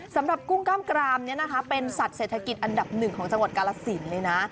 กุ้งกล้ามกรามนี้นะคะเป็นสัตว์เศรษฐกิจอันดับหนึ่งของจังหวัดกาลสินเลยนะ